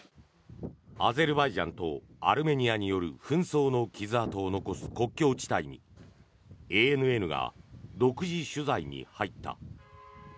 アゼルバイジャンとアルメニアによる紛争の傷跡を残す国境地帯にＡＮＮが独自取材に入った。